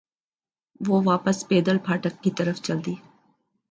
وہ واپس پیدل پھاٹک کی طرف چل دی۔